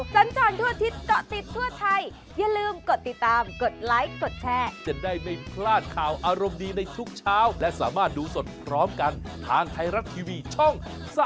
โปรดติดตามตอนต่อไปทุกเช้าและสามารถดูสดพร้อมกันทางไทยรัฐทีวีช่อง๓๒